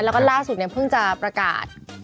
และก็ล่าสุดพึ่งจะประกาศ